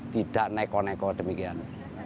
tidak neko neko demikian